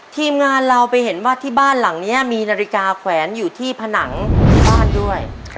ทีมงานเราไปเห็นว่าที่บ้านหลังนี้มีนาฬิกาแขวนอยู่ที่ผนังบ้านด้วย